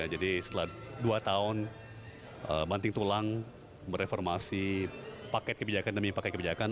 jadi setelah dua tahun banting tulang bereformasi paket kebijakan demi paket kebijakan